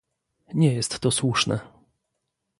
Nie jest to słuszne